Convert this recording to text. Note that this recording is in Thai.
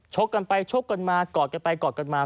กันไปชกกันมากอดกันไปกอดกันมา